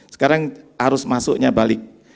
sekarang harus masuknya balik